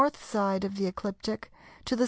side of the ecliptic to the S.